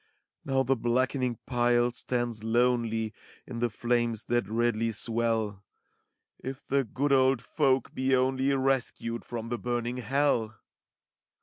Now the blackening pile stands lonely In the flames that redly swell : If the good old folk be only Rescued from the burning hell!